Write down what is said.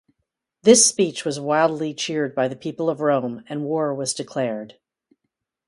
This speech was wildly cheered by the people of Rome and war was declared.